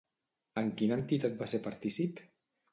En quina entitat va ser partícip?